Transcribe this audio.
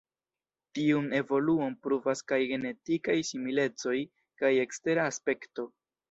Tiun evoluon pruvas kaj genetikaj similecoj kaj ekstera aspekto.